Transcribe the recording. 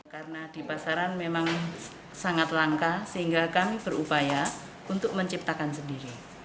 karena di pasaran memang sangat langka sehingga kami berupaya untuk menciptakan sendiri